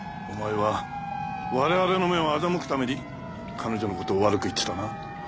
お前は我々の目を欺くために彼女の事を悪く言ってたな。